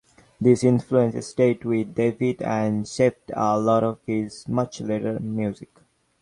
This influence stayed with David and shaped a lot of his much later music.